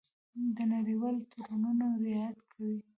د نړیوالو تړونونو رعایت کوي.